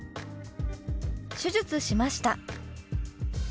「手術しました」。